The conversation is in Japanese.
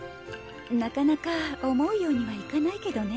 なかなか思うようにはいかないけどね。